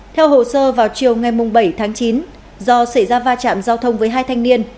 theo hồ sơ vào chiều ngày bảy tháng chín do xảy ra va chạm giao thông với hai thanh niên